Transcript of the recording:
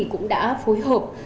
cũng đã phối hợp